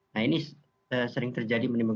nah ini sering terjadi